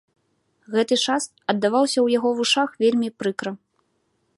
Гэты шаст аддаваўся ў яго вушах вельмі прыкра.